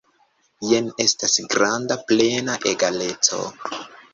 Jen estas granda, plena egaleco.